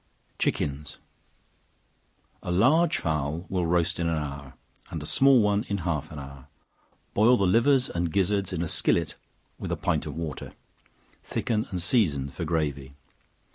Chickens. A large fowl will roast in an hour, and a small one in half an hour; boil the livers and gizzards in a skillet with a pint of water; thicken and season for gravy.